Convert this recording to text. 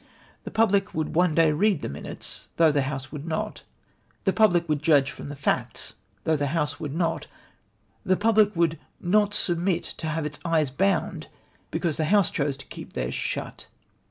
Tlie public /could one day read the minutes^ though the House would not. The public woidd judge from the facts^ though the House luould not. The public icould not submit to have its eyes bound because tlie House chose to keep theirs shut.